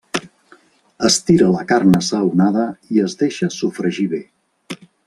Es tira la carn assaonada i es deixa sofregir bé.